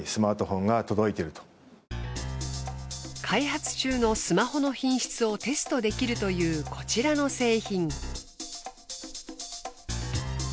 開発中のスマホの品質をテストできるというこちらの製品。